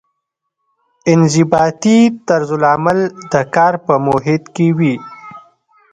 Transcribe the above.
انضباطي طرزالعمل د کار په محیط کې وي.